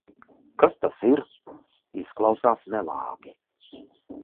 Kas tas ir? Izklausās nelāgi.